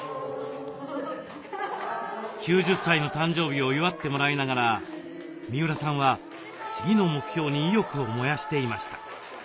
９０歳の誕生日を祝ってもらいながら三浦さんは次の目標に意欲を燃やしていました。